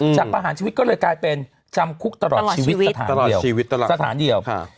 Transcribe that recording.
จากประหารชีวิตก็เลยกลายเป็นจำคุกตลอดชีวิตสถานเดียว